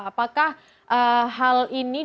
apakah hal ini juga